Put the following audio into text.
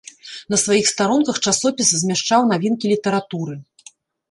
На сваіх старонках часопіс змяшчаў навінкі літаратуры.